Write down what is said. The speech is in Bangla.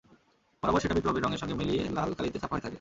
বরাবর সেটা বিপ্লবের রঙের সঙ্গে মিলিয়ে লাল কালিতে ছাপা হয়ে থাকে।